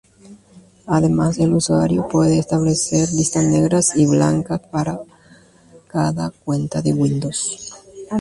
Además, el usuario puede establecer listas negras y blancas para cada cuenta de Windows.